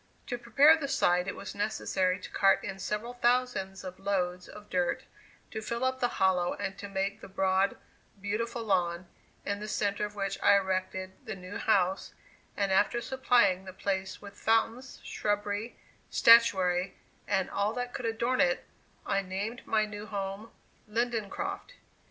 To prepare the site it was necessary to cart in several thousands of loads of dirt to fill up the hollow and to make the broad, beautiful lawn, in the centre of which I erected the new house, and after supplying the place with fountains, shrubbery, statuary and all that could adorn it, I named my new home "Lindencroft."